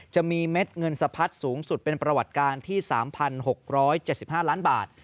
เม็ดเงินสะพัดสูงสุดเป็นประวัติการที่๓๖๗๕ล้านบาท